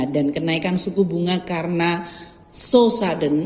dan kenaikan suku bunga karena so sudden